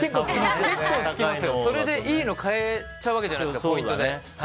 それでいいの買えちゃうわけじゃないですか、ポイントで。